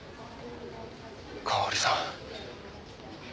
香織さん。